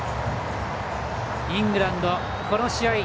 イングランド、この試合